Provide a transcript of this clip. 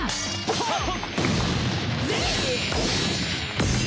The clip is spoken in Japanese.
ハッ！